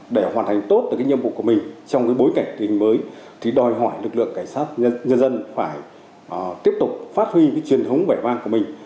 để hoàn thành tốt được cái nhiệm vụ của mình trong bối cảnh tình hình mới thì đòi hỏi lực lượng cảnh sát nhân dân phải tiếp tục phát huy truyền thống vẻ vang của mình